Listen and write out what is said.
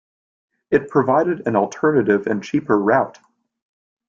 It provided an alternative and cheaper route.